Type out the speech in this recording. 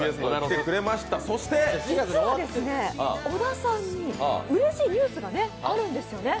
実は小田さんにうれしいニュースがあるんですよね。